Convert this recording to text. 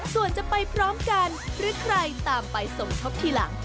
ส่วนจะไปพร้อมกันหรือใครตามไปสมทบทีหลัง